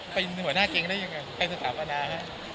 ไปหนัวหน้าเกงได้ยังไงไปสถาปนาค่ะ